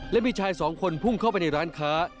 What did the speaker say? และมีชาย๒คนพุ่งเข้าที่ร้านค้า